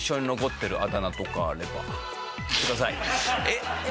えっ？